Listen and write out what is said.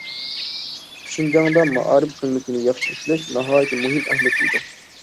شىنجاڭدا مائارىپ خىزمىتىنى ياخشى ئىشلەش ناھايىتى مۇھىم ئەھمىيەتكە ئىگە.